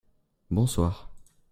bonsoir.